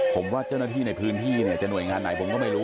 ผมว่าเจ้าหน้าที่ในพื้นที่เนี่ยจะหน่วยงานไหนผมก็ไม่รู้